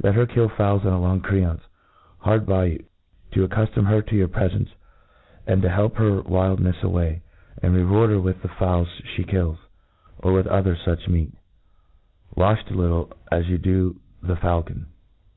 • Let her kill fowls in a long creancc, hard by you, to accuftom her to your prefence, and to help, her wildnefs away ; and reward her with the fowls flie kills, or with other fuch meat^ walhed a little, as you do to the £aulcon.